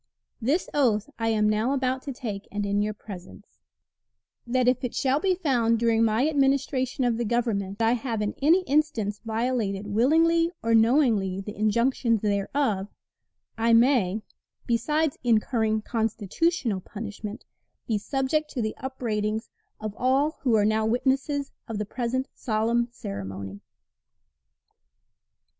This oath I am now about to take, and in your presence: That if it shall be found during my administration of the Government I have in any instance violated willingly or knowingly the injunctions thereof, I may (besides incurring constitutional punishment) be subject to the upbraidings of all who are now witnesses of the present solemn ceremony.